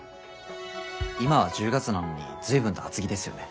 今は１０月なのに随分と厚着ですよね。